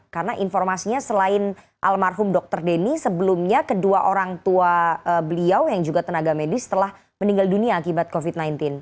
karena informasinya selain almarhum dr denny sebelumnya kedua orang tua beliau yang juga tenaga medis telah meninggal dunia akibat covid sembilan belas